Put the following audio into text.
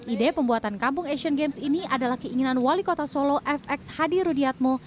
ide pembuatan kampung asian games ini adalah keinginan wali kota solo fx hadi rudiatmo